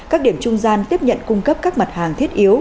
các điểm trung gian tiếp nhận cung cấp các mặt hàng thiết yếu